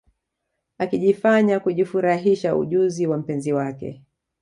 Akijifanya kujifurahisha ujuzi wa mpenzi wake